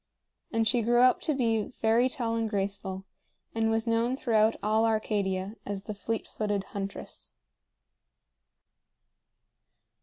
And she grew up to be very tall and graceful, and was known throughout all Arcadia as the fleet footed huntress.